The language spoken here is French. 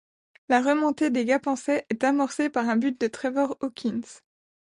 La remontée des gapençais est amorcée par un but de Trevor Hawkins.